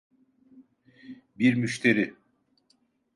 Bir müşteri.